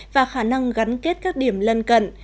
và khả năng gắn kết các điểm lân cận